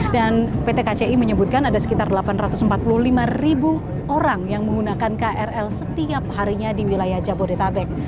dan pt kci menyebutkan ada sekitar delapan ratus empat puluh lima ribu orang yang menggunakan krl setiap harinya di wilayah jabodetabek